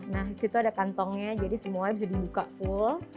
nah disitu ada kantongnya jadi semuanya bisa dibuka full